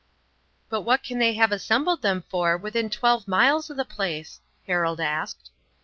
"But what can they have assembled them for within twelve miles of the place?" Harold asked.